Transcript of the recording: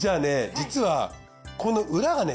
実はこの裏がね